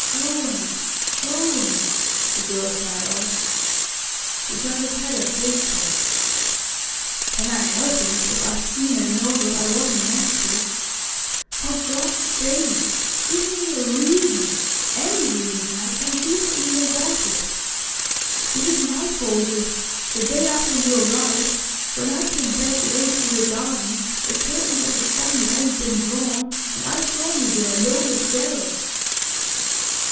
"Owen, Owen " the girl sighed out. He turned his haggard face to her. "Can I help it, if I've seen and known what I wasn't meant to? For God's sake give me a reason any reason I can decently make out with! Is it my fault if, the day after you arrived, when I came back late through the garden, the curtains of the study hadn't been drawn, and I saw you there alone with Darrow?"